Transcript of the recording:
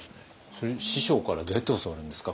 それ師匠からどうやって教わるんですか？